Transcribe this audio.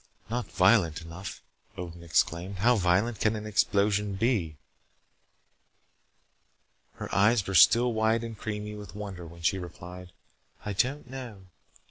"Not violent enough," Odin exclaimed. "How violent can an explosion be?" Her eyes were still wide and creamy with wonder when she replied. "I don't know.